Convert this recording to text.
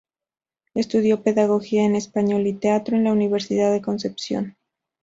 Estudió Pedagogía en español y teatro en la Universidad de Concepción.